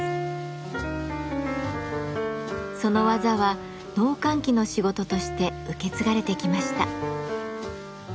その技は農閑期の仕事として受け継がれてきました。